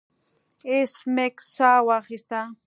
ایس میکس ساه واخیسته